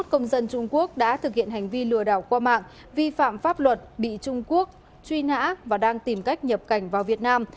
hai mươi công dân trung quốc đã thực hiện hành vi lừa đảo qua mạng vi phạm pháp luật bị trung quốc truy nã và đang tìm cách nhập cảnh vào việt nam